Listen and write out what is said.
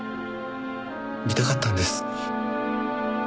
見たかったんです。